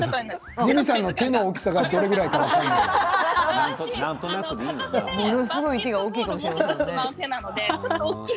Ｊｉｍｉさんの手の大きさがどれぐらいか分からない。